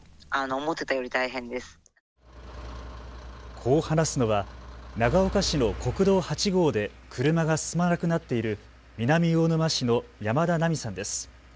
こう話すのは長岡市の国道８号で車が進まなくなっている南魚沼市の山田奈美さんです。